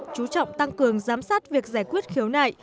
chú trọng tăng cường giám sát việc giải quyết khiếu nại